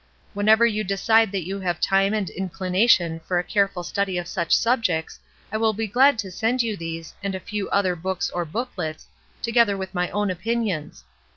Whenever you decide that you have time and inclination for a careful study of such subjects, I shall be glad to send you these, and a few other books or booklets, together with my own opinions.